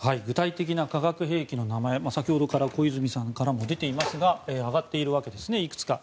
具体的な化学兵器の名前先ほどから小泉さんからも出ていますがいくつか上がっているわけです。